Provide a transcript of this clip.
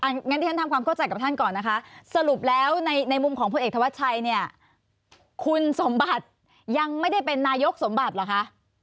งั้นที่ฉันทำความเข้าใจกับท่านก่อนนะคะสรุปแล้วในมุมของพลเอกธวัชชัยเนี่ยคุณสมบัติยังไม่ได้เป็นนายกสมบัติเหรอคะ